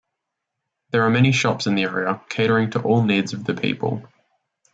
There are many shops in the area catering to all needs of the people.